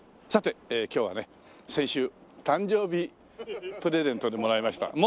さて今日はね先週誕生日プレゼントでもらいました。